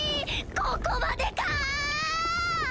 ここまでか！